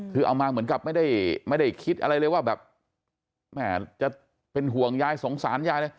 คือเอามาเหมือนกับไม่ได้คิดอะไรเลยว่าแบบแม่จะเป็นห่วงยายสงสารยายเลย